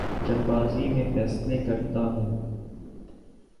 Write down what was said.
جلد بازی میں فیصلے کرتا ہوں